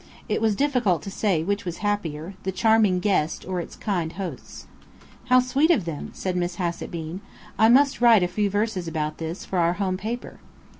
It was difficult to say which was happier, the charming guest or its kind hosts. "How sweet of them!" said Miss Hassett Bean. "I must write a few verses about this, for our home paper!"